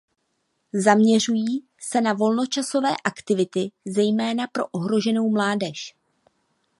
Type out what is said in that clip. Zaměřují se na volnočasové aktivity zejména pro ohroženou mládež.